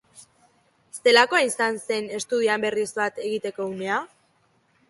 Zelakoa izan zen estudioan berriz bat egiteko unea?